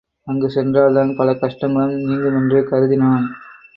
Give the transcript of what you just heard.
அங்கு சென்றால்தான் பல கஷ்டங்களும் நீங்குமென்று கருதினான்.